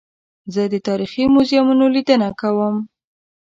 زه د تاریخي موزیمونو لیدنه کوم.